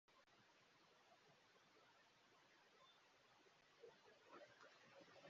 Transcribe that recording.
ngo ziteguye gushora amafaranga mu bikorerwa muri ibyo biyaga